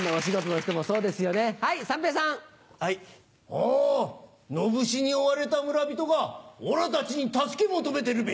お野武士に追われた村人が俺たちに助け求めてるべ。